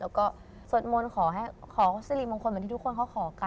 แล้วก็สวดมนต์ขอสิริมงคลเหมือนที่ทุกคนเขาขอกัน